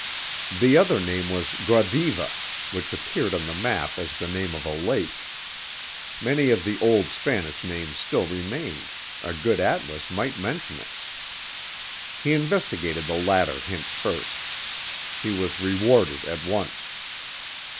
The other name was "Guadiva," which appeared on the map as the name of a lake. Many of the old Spanish names still remained. A good atlas might mention it. He investigated the latter hint first. He was rewarded at once.